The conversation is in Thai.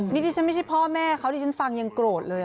นี่ที่ฉันไม่ใช่พ่อแม่เขาที่ฉันฟังยังโกรธเลย